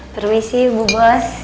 permisi bu bos